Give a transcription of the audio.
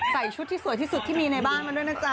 ชุดที่สวยที่สุดที่มีในบ้านมาด้วยนะจ๊